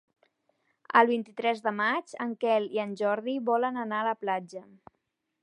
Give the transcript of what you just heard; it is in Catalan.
El vint-i-tres de maig en Quel i en Jordi volen anar a la platja.